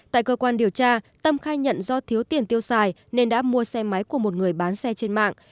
tại cơ quan điều tra tâm khai nhận do thiếu tiền tiêu xài nên đã mua xe máy của một người bán xe trên mạng